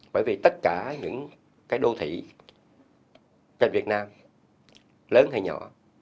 bởi vì tất cả những cái đô thị cho việt nam lớn hay nhỏ